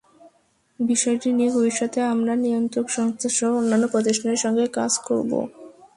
বিষয়টি নিয়ে ভবিষ্যতে আমরা নিয়ন্ত্রক সংস্থাসহ অন্যান্য প্রতিষ্ঠানের সঙ্গে কাজ করব।